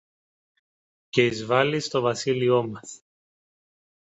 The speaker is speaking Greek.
και εισβάλλει στο βασίλειό μας.